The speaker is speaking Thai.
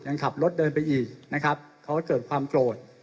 ยังขับรถเดินไปอีกนะครับเขาก็เกิดความโกรธ